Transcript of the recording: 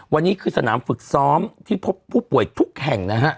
วันนี้คือสนามฝึกซ้อมที่พบผู้ป่วยทุกแห่งนะฮะ